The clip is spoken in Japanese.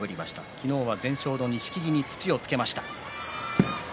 昨日は全勝の錦木に土をつけました。